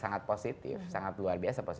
sangat positif sangat luar biasa